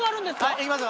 いきますよ。